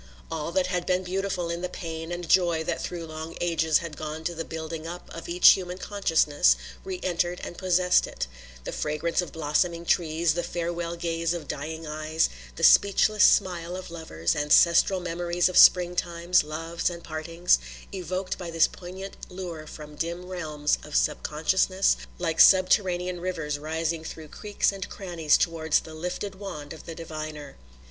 All that had been beautiful in the pain and joy that through long ages had gone to the building up of each human consciousness, re entered and possessed it; the fragrance of blossoming trees, the farewell gaze of dying eyes, the speechless smile of lovers, ancestral memories of Spring times, loves, and partings, evoked by this poignant lure from dim realms of sub consciousness, like subterranean rivers rising through creaks and crannies towards the lifted wand of the diviner.